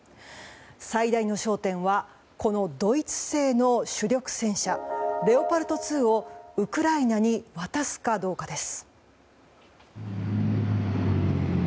最大の焦点はドイツ製の主力戦車レオパルト２をウクライナに渡すかどうかです。